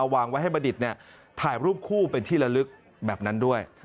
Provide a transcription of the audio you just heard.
วางไว้ให้บัณฑิตถ่ายรูปคู่เป็นที่ละลึกแบบนั้นด้วย